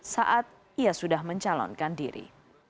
saat ia sudah mencalonkan diri